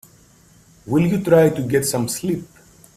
Will you try to get some sleep?